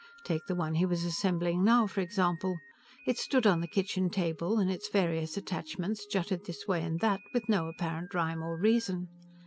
Take the one he was assembling now, for example. It stood on the kitchen table, and its various attachments jutted this way and that with no apparent rhyme or reason.